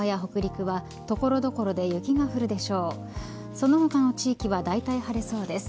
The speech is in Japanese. その他の地域はだいたい晴れそうです。